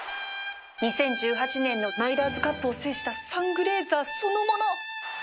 ２０１８年のマイラーズカップを制したサングレーザーそのもの